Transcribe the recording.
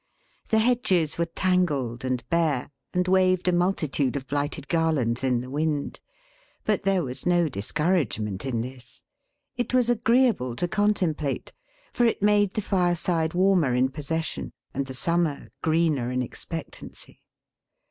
The hedges were tangled and bare, and waved a multitude of blighted garlands in the wind; but there was no discouragement in this. It was agreeable to contemplate; for it made the fireside warmer in possession, and the summer greener in expectancy.